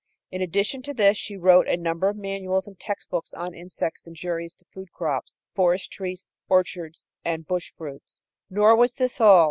In addition to this she wrote a number of manuals and textbooks on insects injurious to food crops, forest trees, orchards and bush fruits. Nor was this all.